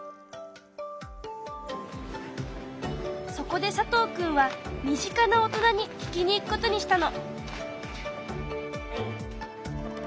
そこで佐藤くんは身近な大人に聞きに行くことにしたの。